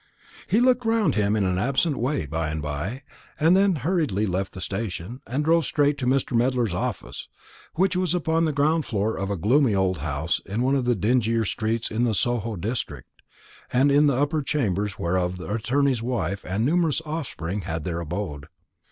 He looked round him in an absent way by and by, and then hurriedly left the station, and drove straight to Mr. Medler's office, which was upon the ground floor of a gloomy old house in one of the dingier streets in the Soho district, and in the upper chambers whereof the attorney's wife and numerous offspring had their abode.